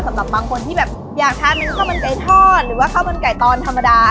สำหรับบางคนที่แบบอยากทานเป็นข้าวมันไก่ทอดหรือว่าข้าวมันไก่ตอนธรรมดา